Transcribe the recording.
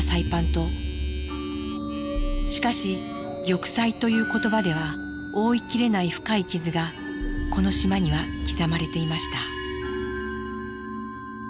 しかし「玉砕」という言葉では覆いきれない深い傷がこの島には刻まれていました。